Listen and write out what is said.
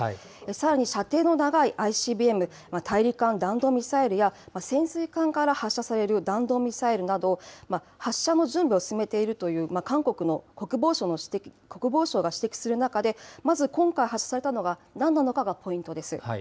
さらに射程の長いＩＣＢＭ・大陸間弾道ミサイルや、潜水艦から発射される弾道ミサイルなど、発射の準備を進めているという韓国の国防省が指摘する中で、まず今回発射されたのがなんなのかがポイントです。